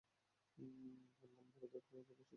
বললাম বড়োদের খেলায় কচি-কাচাদের ঢোকা উচিত নয়, ছোকরা।